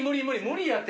無理やて。